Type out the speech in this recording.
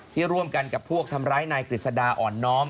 ที่ร่วมกันกับพวกทำร้ายนายกฤษดาอ่อนน้อม